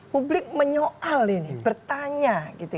publik menyoal ini bertanya